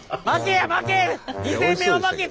負けや負け！